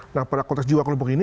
nah pada konteks jiwa kelompok ini